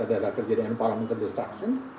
ada ada terjadi dengan pahala menteri destraksi